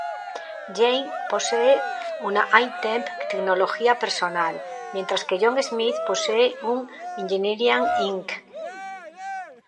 Jane posee una I-Temp Tecnología personal, mientras que John Smith posee un Engineering, Inc.